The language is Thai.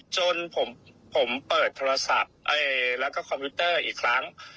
จนผมเปิดโทรศัพท์แล้วก็คอมพิวเตอร์อีกครั้ง